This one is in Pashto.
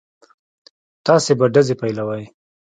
تاسې به ډزې پيلوئ.